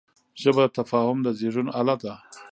ژبه د تفاهم د زېږون اله ده